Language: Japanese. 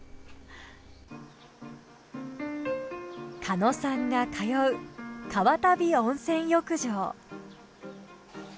鹿野さんが通う川渡温泉浴場。